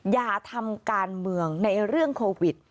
อย่าทำการเมืองในเรื่องโควิด